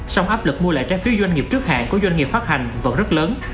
song áp lực mua lại trái phiếu doanh nghiệp trước hạn của doanh nghiệp phát hành vẫn rất lớn